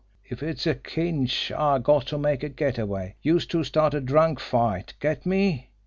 If it's a cinch I got to make a get away, youse two start a drunk fight. Get me?